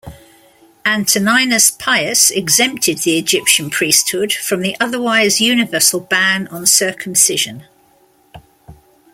Antoninus Pius exempted the Egyptian priesthood from the otherwise universal ban on circumcision.